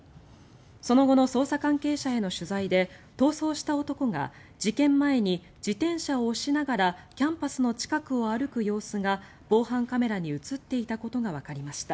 その後の捜査関係者への取材で逃走した男が事件前に、自転車を押しながらキャンパスの近くを歩く様子が防犯カメラに映っていたことがわかりました。